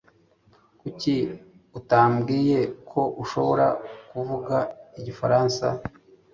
Kuki utambwiye ko ushobora kuvuga igifaransa?